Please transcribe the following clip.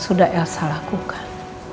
sudah elsa lakukan